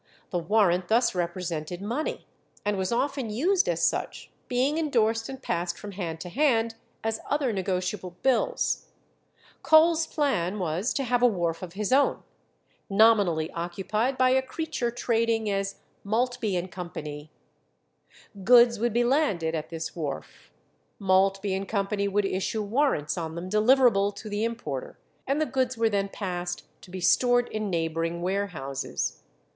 The warrant thus represented money, and was often used as such, being endorsed and passed from hand to hand as other negotiable bills. Cole's plan was to have a wharf of his own, nominally occupied by a creature trading as Maltby and Co. Goods would be landed at this wharf; Maltby and Co. would issue warrants on them deliverable to the importer, and the goods were then passed to be stored in neighbouring warehouses.